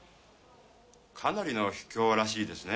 かなりの秘境らしいですね。